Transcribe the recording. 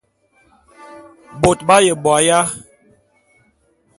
Bôt b'aye bo aya?